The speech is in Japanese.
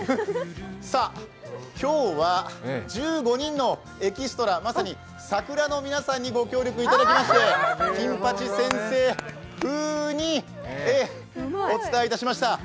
さあ、今日は１５人のエキストラ、まさにサクラの皆様にご協力いただきまして、「金八先生」風にお伝えいたしました。